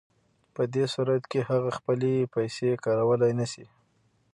په دې صورت کې هغه خپلې پیسې کارولی نشي